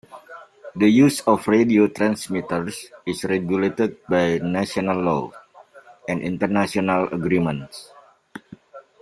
The use of radio transmitters is regulated by national laws and international agreements.